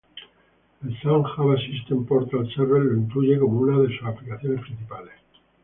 El Sun Java System Portal Server lo incluye como una de sus aplicaciones principales.